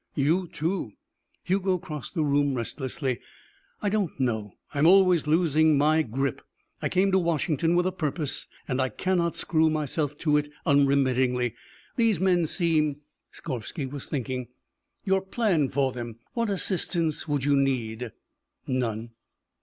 "You, too " Hugo crossed the room restlessly. "I don't know. I am always losing my grip. I came to Washington with a purpose and I cannot screw myself to it unremittingly. These men seem " Skorvsky was thinking. "Your plan for them. What assistance would you need?" "None."